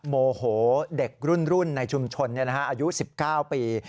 โมโหเด็กรุ่นในชุมชนอายุ๑๙ปี